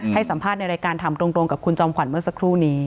ให้สัมภาษณ์ในรายการถามตรงกับคุณจอมขวัญเมื่อสักครู่นี้